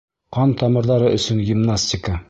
Ҡан тамырҙары өсөн гимнастика